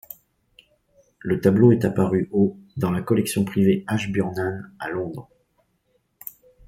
Le tableau est apparu au dans la collection privée Ashburnham à londres.